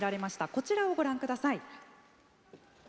こちらをご覧ください。